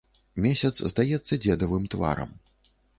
Месяц здаецца дзедавым тварам.